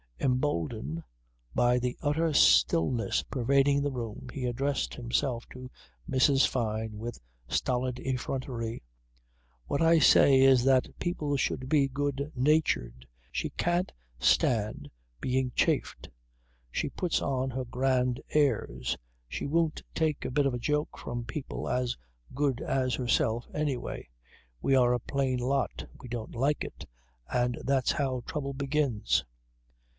Emboldened by the utter stillness pervading the room he addressed himself to Mrs. Fyne with stolid effrontery: "What I say is that people should be good natured. She can't stand being chaffed. She puts on her grand airs. She won't take a bit of a joke from people as good as herself anyway. We are a plain lot. We don't like it. And that's how trouble begins."